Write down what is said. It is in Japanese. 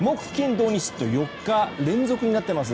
土日と４日も連続になってます。